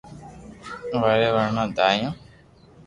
ورنا ماري دآئيو